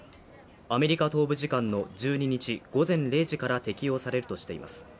アメリカ東部時間の１２日午前０時から適用されるとしています